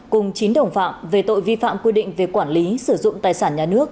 cùng chín đồng phạm về tội vi phạm quy định về quản lý sử dụng tài sản nhà nước